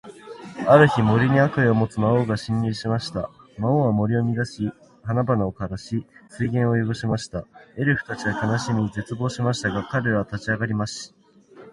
ある日、森に悪意を持つ魔王が侵入しました。魔王は森を乱し、花々を枯らし、水源を汚しました。エルフたちは悲しみ、絶望しましたが、彼らは立ち上がりました。勇気を持って、エルフたちは魔王との戦いに挑みました。